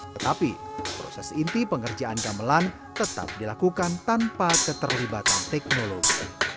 tetapi proses inti pengerjaan gamelan tetap dilakukan tanpa keterlibatan teknologi